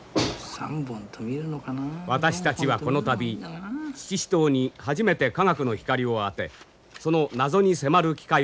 私たちはこの度七支刀に初めて科学の光を当てその謎に迫る機会を得た。